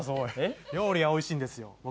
料理はおいしいんですよ。